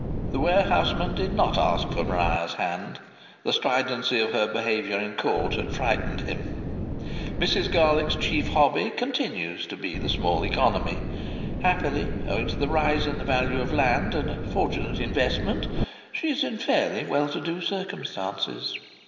The warehouseman did not ask for Maria's hand. The stridency of her behaviour in court had frightened him. Mrs Garlick's chief hobby continues to be the small economy. Happily, owing to a rise in the value of a land and a fortunate investment, she is in fairly well to do circumstances.